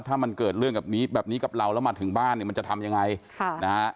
ถ้ามันเกิดเรื่องแบบนี้แบบนี้กับเราแล้วมาถึงบ้านเนี่ยมันจะทำยังไงค่ะนะฮะ